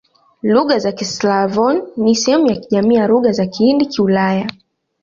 Lugha za Kislavoni ni sehemu ya jamii ya Lugha za Kihindi-Kiulaya.